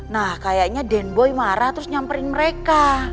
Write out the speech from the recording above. nah kayaknya den boy marah terus nyamperin mereka